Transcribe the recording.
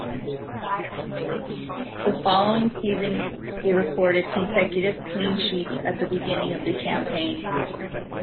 The following season, he recorded consecutive clean sheets at the beginning of the campaign.